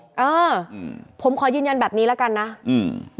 เอออืมผมขอยืนยันแบบนี้แล้วกันนะอืม